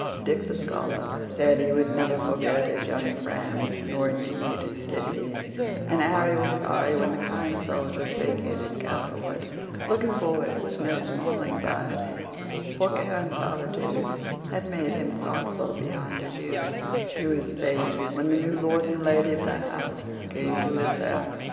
Dick the Scholar said he would never forget his young friend, nor indeed did he: and Harry was sorry when the kind soldiers vacated Castlewood, looking forward with no small anxiety (for care and solitude had made him thoughtful beyond his years) to his fate when the new lord and lady of the house came to live there.